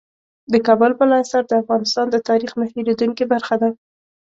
د کابل بالا حصار د افغانستان د تاریخ نه هېرېدونکې برخه ده.